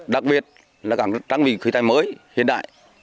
đặc biệt là các trang bị khí tài mới hiện đại